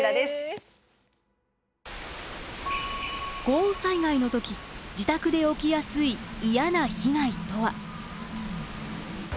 豪雨災害の時自宅で起きやすいいやな被害とは？